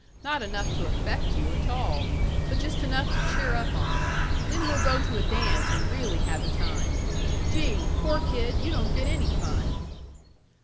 Not enough to affect you a tall, but just enough to cheer up on. Then we'll go to a dance and really have a time. Gee! poor kid, you don't get any fun."